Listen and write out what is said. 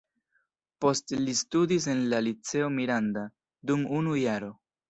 Poste li studis en la "Liceo Miranda" dum unu jaro.